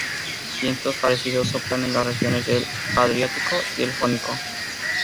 Vientos parecidos soplan en las regiones del Adriático y el Jónico.